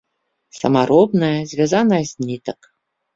Самаробная, звязаная з нітак.